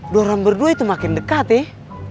dua orang berdua itu makin dekat eh